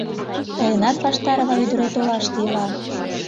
Тыйынат, Ваштарова, ӱдырет олаште ила.